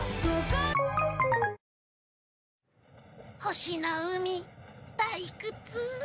星の海退屈。